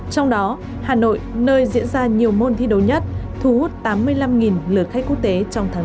trong đó hà nội nơi diễn ra nhiều môn thi đấu nhất thu hút tám mươi năm lượt khách quốc tế trong tháng bốn